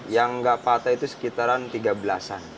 yang nggak patah itu sekitaran tiga belas an